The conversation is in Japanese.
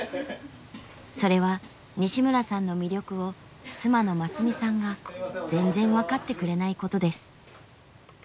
それは西村さんの魅力を妻の真寿美さんが全然分かってくれないことです。